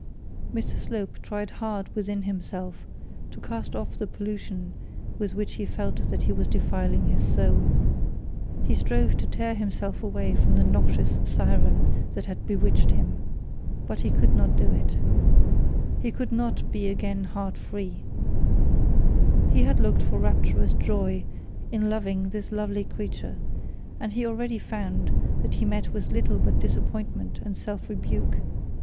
Mr Slope tried hard within himself to cast off the pollution with which he felt that he was defiling his soul. He strove to tear himself away from the noxious siren that had bewitched him. He had looked for rapturous joy in loving this lovely creature, and he already found that he met with little but disappointment and self rebuke.